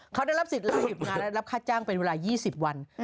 เขาได้รับสิทธิ์เลยหยุดงานและรับค่าจ้างเป็นเวลา๒๐วัน